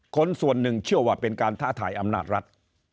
คนส่วนหนึ่งเชื่อว่าเป็นการท้าทายอำนาจรัฐ